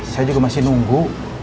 saya juga masih nunggu